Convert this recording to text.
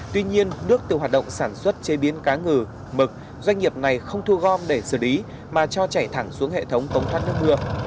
tuy nhiên nước từ hoạt động sản xuất chế biến cá ngừ mực doanh nghiệp này không thu gom để xử lý mà cho chảy thẳng xuống hệ thống cống thoát nước mưa